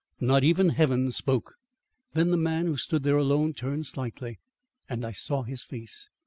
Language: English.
Not even Heaven spoke. Then the man who stood there alone turned slightly and I saw his face.